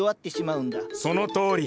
そのとおり。